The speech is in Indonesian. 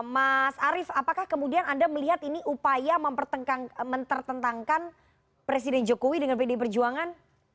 mas arief apakah kemudian anda melihat ini upaya mempertentangkan presiden jokowi dengan pdi perjuangan